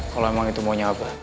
kalau emang itu maunya apa